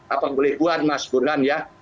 apa boleh buat mas burhan ya